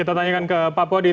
kita tanyakan ke pak podi